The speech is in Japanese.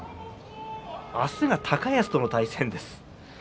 明日は高安との対戦です。